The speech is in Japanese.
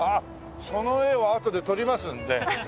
その画をあとで撮りますんで。